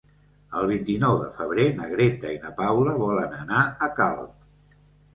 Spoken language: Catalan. El vint-i-nou de febrer na Greta i na Paula volen anar a Calp.